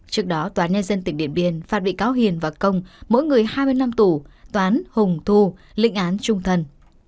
trước đó tòa nhà dân tỉnh điện biên phạt bị cáo hiền và công mỗi người hai mươi năm tù tòa án hùng thu lĩnh án trung thần